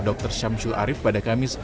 dr syamsul arief pada kamis